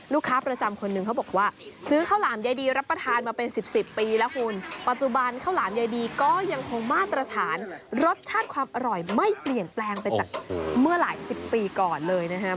ลูกค้าประจำคนหนึ่งเขาบอกว่าซื้อข้าวหลามยายดีรับประทานมาเป็นสิบสิบปีแล้วคุณปัจจุบันข้าวหลามยายดีก็ยังคงมาตรฐานรสชาติความอร่อยไม่เปลี่ยนแปลงไปจากเมื่อหลายสิบปีก่อนเลยนะครับ